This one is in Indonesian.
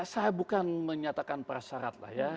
saya bukan menyatakan persyarat lah ya